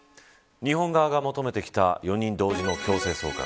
日本側が求めてきた４人同時の強制送還